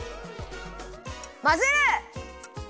まぜる！